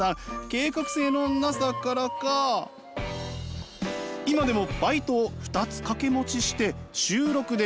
計画性のなさからか今でもバイトを２つ掛け持ちして週６で資金づくり。